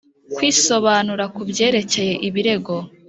kwisobanura ku byerekeye ibirego.